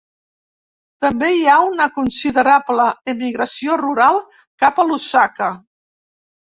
També hi ha una considerable emigració rural cap a Lusaka.